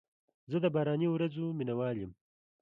زه د باراني ورځو مینه وال یم.